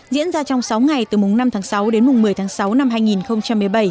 diễn ra trong sáu ngày từ mùng năm tháng sáu đến mùng một mươi tháng sáu năm hai nghìn một mươi bảy